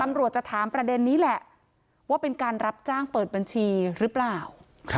ตำรวจจะถามประเด็นนี้แหละว่าเป็นการรับจ้างเปิดบัญชีหรือเปล่า